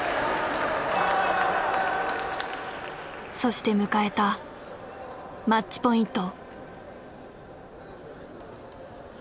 そして迎えたマッチポイント。